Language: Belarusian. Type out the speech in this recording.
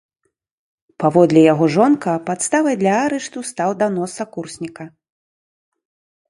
Паводле яго жонка, падставай для арышту стаў данос сакурсніка.